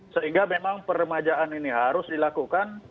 sehingga memang peremajaan ini harus dilakukan